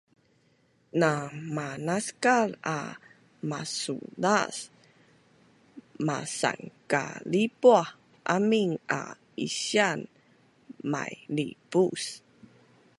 Na manaskal a masuzaas; masankalipuah amin a isian mailibus